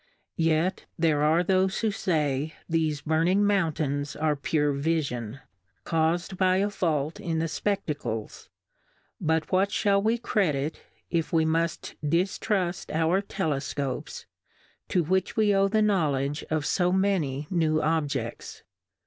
Yet there are thofe who fay thefe burning Mountains are pure Vifion, caus'd by a fault in the Spedacles ; but what fliall we Credit, if we muft diftruft our Telef copes, to which we owe the Knowledge of fo many new Obieds